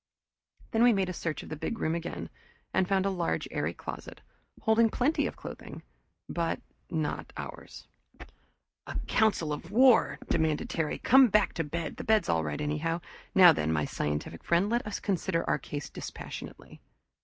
Then we made a search of the big room again and found a large airy closet, holding plenty of clothing, but not ours. "A council of war!" demanded Terry. "Come on back to bed the bed's all right anyhow. Now then, my scientific friend, let us consider our case dispassionately."